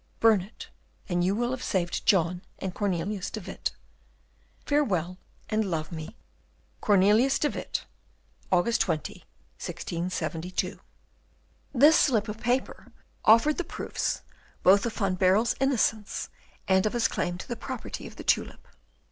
Burn it, and you will have saved John and Cornelius de Witt. "Farewell, and love me. "Cornelius de Witt. "August 20, 1672." This slip of paper offered the proofs both of Van Baerle's innocence and of his claim to the property of the tulip.